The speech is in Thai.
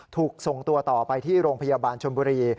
ถูกส่งตัวต่อไปที่โรงพยาบาลชนบุรี